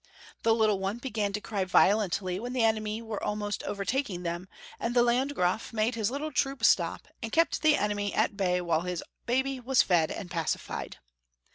The little one b^^gan to cry violently when the enemy were almost overtaking them, and the Landgraf made his little troop stop, and kept the enemy at bay while his baby was fed and pacified.